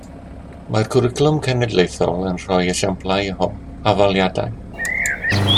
Mae'r cwricwlwm cenedlaethol yn rhoi esiamplau o hafaliadau